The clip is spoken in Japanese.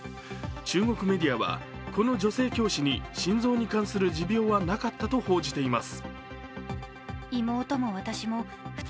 中国メディアはこの女性教師に心臓に関する持病はなかったと報じています。